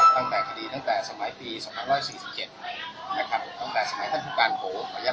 ตั้งแต่คดีตั้งแต่สมัยปี๒๔๗ตั้งแต่สมัยท่านผู้การโห